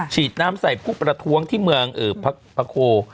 ฉีดน้ำใส่ผู้ประท้วงที่เมืองพระโค